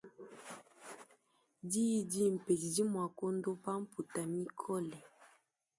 Diyi dimpe didi mua kuondopa mputa mikole.